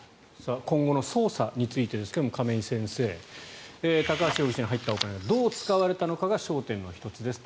今後の捜査についてですが亀井先生高橋容疑者に入ったお金がどう使われたのかが焦点の１つです。